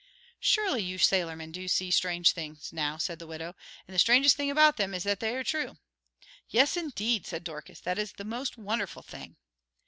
"Surely you sailormen do see strange things," now said the widow, "and the strangest thing about them is that they are true." "Yes, indeed," said Dorcas, "that is the most wonderful thing."